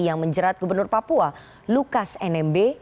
yang menjerat gubernur papua lukas nmb